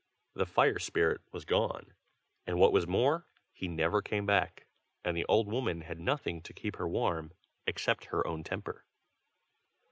The fire spirit was gone; and what was more, he never came back, and the old woman had nothing to keep her warm, except her own temper.